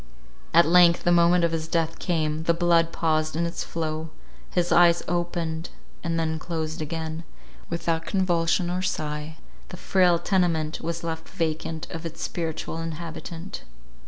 At length the moment of his death came: the blood paused in its flow —his eyes opened, and then closed again: without convulsion or sigh, the frail tenement was left vacant of its spiritual inhabitant.